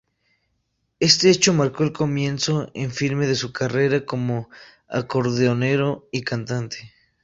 Este hecho marcó el comienzo en firme de su carrera como acordeonero y cantante.